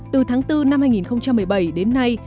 từ tháng bốn năm hai nghìn một mươi bảy đến nay